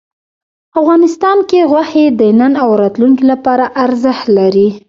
افغانستان کې غوښې د نن او راتلونکي لپاره ارزښت لري.